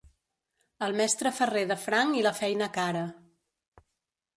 El mestre ferrer de franc i la feina cara.